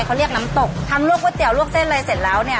เขาเรียกน้ำตกทำลวกก๋วเตี๋ลวกเส้นอะไรเสร็จแล้วเนี่ย